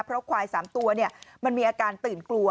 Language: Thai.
เพราะควาย๓ตัวมันมีอาการตื่นกลัว